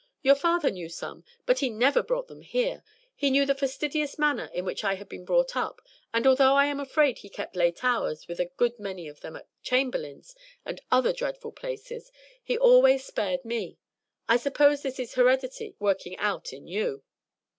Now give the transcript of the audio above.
Your father knew some, but he never brought them here; he knew the fastidious manner in which I had been brought up; and although I am afraid he kept late hours with a good many of them at Chamberlin's and other dreadful places, he always spared me. I suppose this is heredity working out in you."